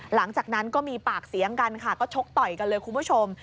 หลังจากนั้นก็มีปากเสียงกันค่ะก็ชกต่อยกันเลยคุณผู้ชม